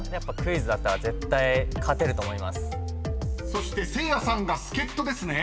［そしてせいやさんが助っ人ですね］